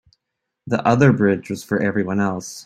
The other bridge was for everyone else.